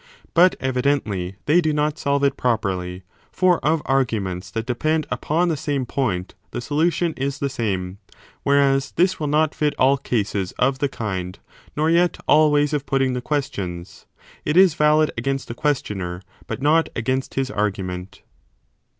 But evidently they do not solve it properly : for of arguments that depend upon the same point the solution is the same, w r hereas this will not fit all cases of the kind nor yet all ways of putting the questions : it is valid against the questioner, but not against his argument.